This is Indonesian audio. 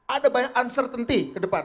ada banyak uncertainty ke depan